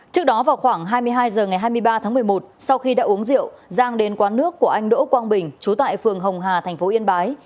một mươi ba tháng một mươi một sau khi đã uống rượu giang đến quán nước của anh đỗ quang bình chú tại phường hồng hà thành phố yên bái